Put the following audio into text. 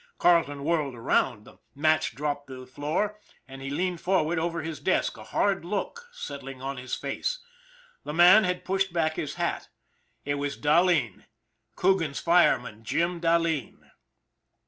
Carleton whirled around, the match dropped to the floor, and he leaned forward over his desk, a hard look settling on his face. The man had pushed back his hat. It was Dahleen, Coogan's fireman, Jim Dahleen.